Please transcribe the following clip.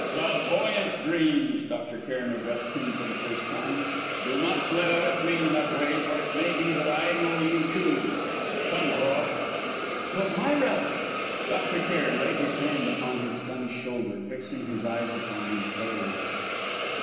"Clairvoyant dreams!" Dr. Cairn addressed him for the first time. "Do not glare at me in that way, for it may be that I know you, too! Come, Rob." "But Myra " Dr. Cairn laid his hand upon his son's shoulder, fixing his eyes upon him steadily.